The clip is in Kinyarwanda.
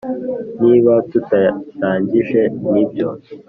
niba tutarangije ni byo,